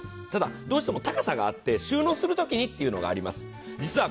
ただ、どうしても高さがあって収納するときにっていうのがあります。